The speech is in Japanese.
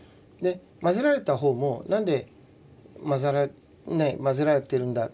交ぜられた方も何で交ぜられてるんだって。